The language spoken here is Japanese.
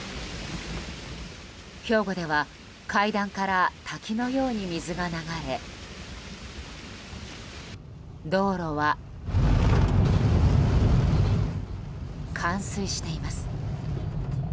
兵庫では階段から滝のように水が流れ道路は冠水しています。